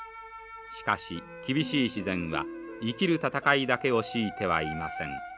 しかし厳しい自然は生きる闘いだけを強いてはいません。